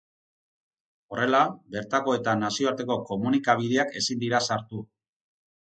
Horrela, bertako eta nazioarteko komunikabideak ezin dira sartu.